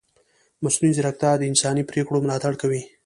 مصنوعي ځیرکتیا د انساني پرېکړو ملاتړ کوي.